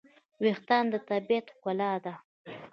وېښتيان د طبیعت ښکلا ده.